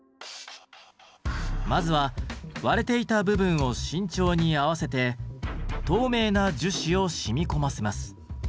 まずは割れていた部分を慎重に合わせて透明な樹脂を染み込ませます。